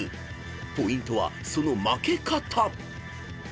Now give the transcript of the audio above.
［ポイントはその負け方］